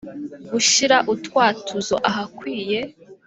Gushyira utwatuzo ahakwiye